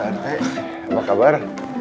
pak arti apa kabar